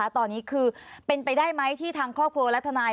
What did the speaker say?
ตอนนี้คือเป็นไปได้ไหมที่ทางครอบครัวและทนาย